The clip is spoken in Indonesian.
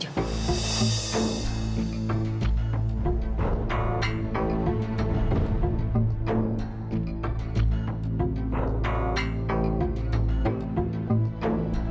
ya ini akan rumah diri ya mata